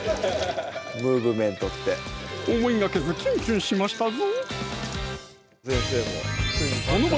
ムーブメントって思いがけずキュンキュンしましたぞ